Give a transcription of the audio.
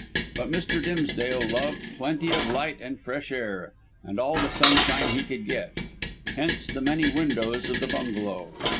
But Mr. Dimsdale loved plenty of light and fresh air and all the sunshine he could get, hence the many windows of the bungalow.